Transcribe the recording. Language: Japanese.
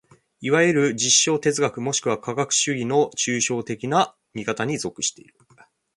いわゆる実証哲学もしくは科学主義の抽象的な見方に属している。